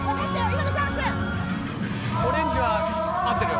今がチャンスオレンジは合ってるよ